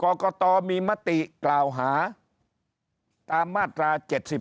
กรกตมีมติกล่าวหาตามมาตรา๗๒